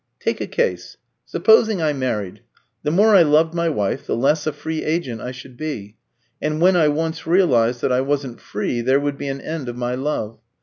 Take a case. Supposing I married: the more I loved my wife, the less a free agent I should be; and when I once realised that I wasn't free, there would be an end of my love.